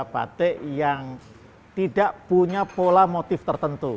batik yang tidak punya pola motif tertentu